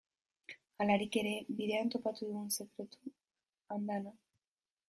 Halarik ere, bidean topatu dugun sekretu andana.